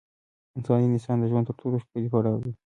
ځواني د انسان د ژوند تر ټولو ښکلی پړاو دی.